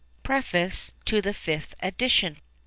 PREFACE TO THE FIFTH EDITION.